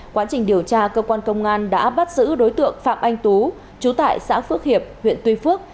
quá trình điều tra cơ quan công an đã bắt giữ đối tượng phạm anh tú chú tại xã phước hiệp huyện tuy phước